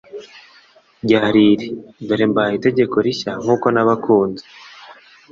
ryari iri: «Dore mbahaye itegeko rishya nk'uko nabakunze